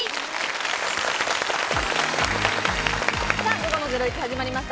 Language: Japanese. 午後の『ゼロイチ』始まりました。